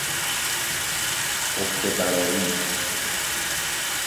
عهده برائی